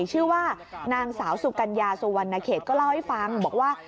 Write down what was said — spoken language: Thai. ชื่อว่านางสาวสุกัญญาสุวรรณเขตก็เล่าให้ฟังบอกว่า